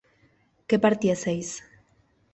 que partieseis